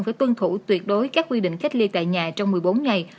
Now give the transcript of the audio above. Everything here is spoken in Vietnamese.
phải tuân thủ tuyệt đối các quy định cách ly tại nhà trong một mươi bốn ngày